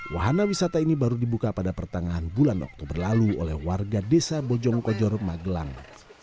wahana wisata ini baru dibuka pada pertengahan bulan oktober lalu oleh warga desa bojongkojor magelang